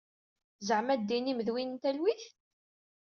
Zeɛma ddin-im d win n talwit?